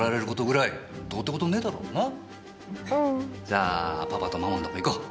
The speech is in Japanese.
じゃあパパとママのとこ行こう。